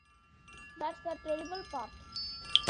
That's the terrible part.